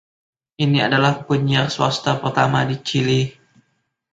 Ini adalah penyiar swasta pertama di Chili.